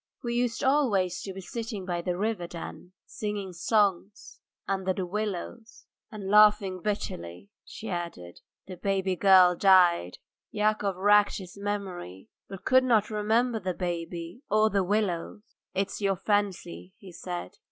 We used always to be sitting by the river then, singing songs ... under the willows," and laughing bitterly, she added: "The baby girl died." Yakov racked his memory, but could not remember the baby or the willows. "It's your fancy," he said.